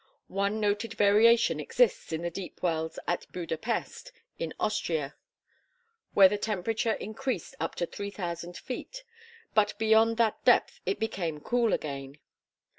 One noted variation exists in the deep wells at Buda Pesth, in Austria, where the temperature increased up to 3,000 feet; but beyond that depth it became cooler again.